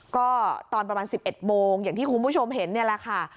ก็ตอนประมาณ๑๑โมงอย่างที่คุณผู้ชมเห็นนี่แหละค่ะ